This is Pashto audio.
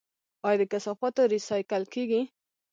آیا د کثافاتو ریسایکل کیږي؟